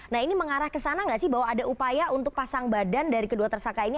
nah ini mengarah ke sana nggak sih bahwa ada upaya untuk pasang badan dari kedua tersangka ini